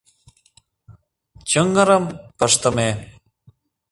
Чыҥгырым пыштыме.